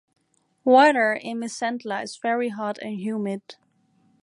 Weather in Misantla is very hot and humid.